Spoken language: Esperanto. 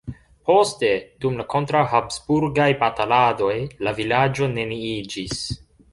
Poste dum la kontraŭ-Habsburgaj bataladoj la vilaĝo neniiĝis.